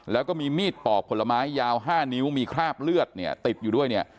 แล้วก็มีมีดปอกผลไม้ยาว๕นิ้วมีคราบเลือดเนี่ยติดอยู่ด้วยเนี่ย